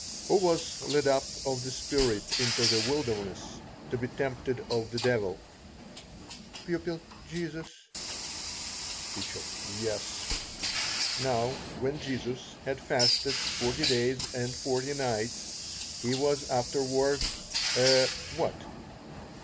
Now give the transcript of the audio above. _ Who was led up of the Spirit into the wilderness to be tempted of the devil? Pupil. Jesus. T. Yes. Now, when Jesus had fasted forty days and forty nights, he was afterward a what?